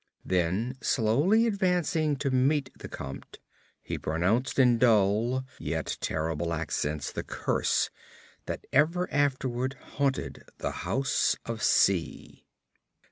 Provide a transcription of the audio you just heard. Then, slowly advancing to meet the Comte, he pronounced in dull yet terrible accents the curse that ever afterward haunted the house of C——.